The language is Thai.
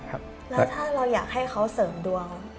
แล้วถ้าเราอยากให้เขาเสริมดวง